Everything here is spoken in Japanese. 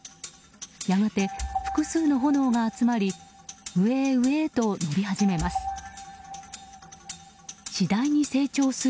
やがて複数の炎が集まり上へ上へと伸び始めます。